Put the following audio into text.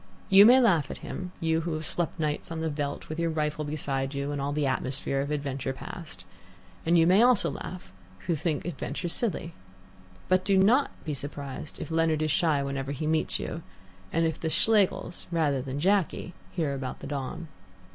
You may laugh at him, you who have slept nights on the veldt, with your rifle beside you and all the atmosphere of adventure past. And you also may laugh who think adventures silly. But do not be surprised if Leonard is shy whenever he meets you, and if the Schlegels rather than Jacky hear about the dawn.